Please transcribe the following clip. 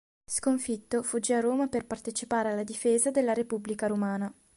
Sconfitto fuggì a Roma per partecipare alla difesa della Repubblica romana.